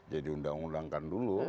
jadi undang undangkan dulu